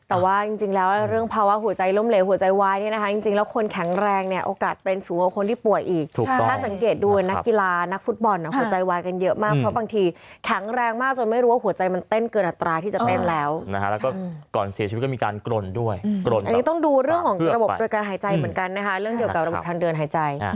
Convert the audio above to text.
แต่ว่าจริงแล้วเรื่องภาวะหัวใจล้มเหลวหัวใจวายเนี่ยนะครับจริงแล้วคนแข็งแรงเนี่ยโอกาสเป็นสูงกว่าคนที่ป่วยอีกถ้าสังเกตดูนักกีฬานักฟุตบอลหัวใจวายกันเยอะมากเพราะบางทีแข็งแรงมากจนไม่รู้ว่าหัวใจมันเต้นเกินอัตรายที่จะเต้นแล้วนะครับแล้วก็ก่อนเสียชีวิตก็มีการกรนด้วย